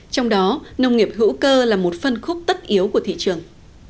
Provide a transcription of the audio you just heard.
trong đó nông nghiệp hữu cơ là một phân khúc tất yếu của thị trường